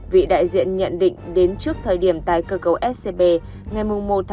vị đại diện nhận định đến trước thời điểm tài cơ cầu scb ngày một một hai nghìn một mươi hai